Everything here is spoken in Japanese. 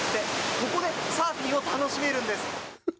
ここでサーフィンを楽しめるんです。